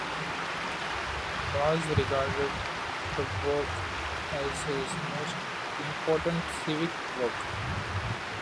Bass regarded the work as his most important civic work.